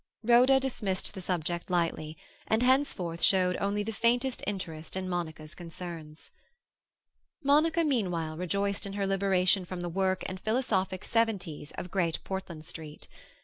Rhoda dismissed the subject lightly, and henceforth showed only the faintest interest in Monica's concerns. Monica meanwhile rejoiced in her liberation from the work and philosophic severities of Great Portland Street.